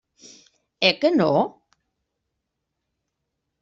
Eh que no?